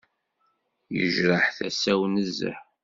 Yejreḥ tasa-w nezzeh.